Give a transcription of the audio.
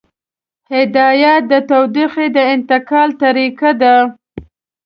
هدایت د تودوخې د انتقال طریقه ده.